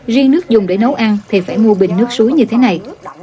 riêng nước dùng để nấu ăn thì phải mua bình nước suối như thế này